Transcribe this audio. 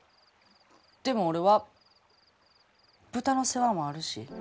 でも俺は豚の世話もあるし。